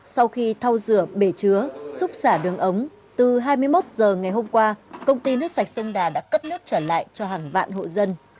sau khi thau rửa bể chứa xúc xả đường ống từ hai mươi một h ngày hôm qua công ty nước sạch sông đà đã cấp nước trở lại cho hàng vạn hộ dân